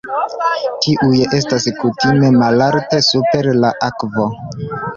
Tiuj estas kutime malalte super la akvo.